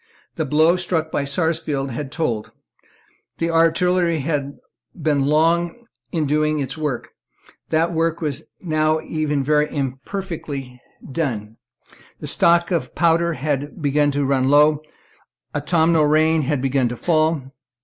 The blow struck by Sarsfield had told; the artillery had been long in doing its work; that work was even now very imperfectly done; the stock of powder had begun to run low; the autumnal rain had begun to fall.